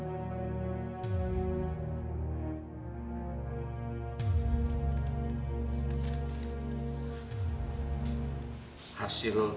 aku yang bawa nana ke sini nek